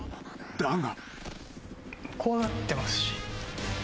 だが］